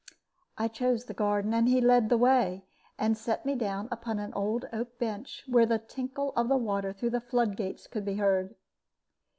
I chose the garden, and he led the way, and set me down upon an old oak bench, where the tinkle of the water through the flood gates could be heard.